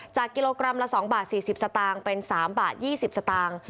กิโลกรัมละ๒บาท๔๐สตางค์เป็น๓บาท๒๐สตางค์